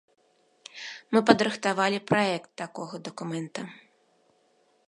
Мы падрыхтавалі праект такога дакумента.